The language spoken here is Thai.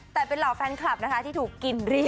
แต่เป็นเหล่าแฟนคลับนะคะที่ถูกกินรีด